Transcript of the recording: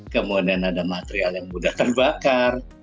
kemudian ada material yang mudah terbakar